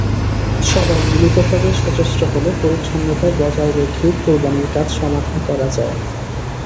সবাই মিলিতভাবে সচেষ্ট হলে পরিচ্ছন্নতা বজায় রেখেই কোরবানির কাজ সমাধা করা যায়।